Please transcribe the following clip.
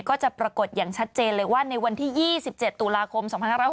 ก็จะปรากฏอย่างชัดเจนเลยว่าในวันที่๒๗ตุลาคม๒๕๖๐